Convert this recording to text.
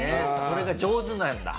それが上手なんだ。